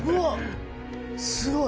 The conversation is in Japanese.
すごい！